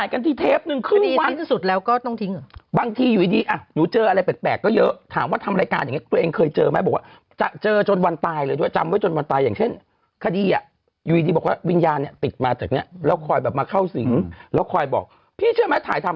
กันที่เทปนึงขึ้นวันสุดแล้วก็ต้องทิ้งเหรอบางทีอยู่ดีอ่ะหนูเจออะไรแปลกก็เยอะถามว่าทำรายการอย่างนี้ตัวเองเคยเจอไหมบอกว่าจะเจอจนวันตายเลยด้วยจำไว้จนวันตายอย่างเช่นคดีอ่ะอยู่ดีบอกว่าวิญญาณเนี่ยติดมาจากเนี้ยแล้วคอยแบบมาเข้าสิงแล้วคอยบอกพี่เชื่อไหมถ่ายทำ